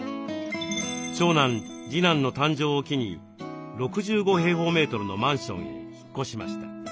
長男次男の誕生を機に６５のマンションへ引っ越しました。